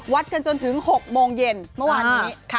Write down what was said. กันจนถึง๖โมงเย็นเมื่อวานนี้